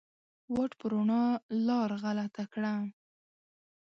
واټ په روڼا لار غلطه کړه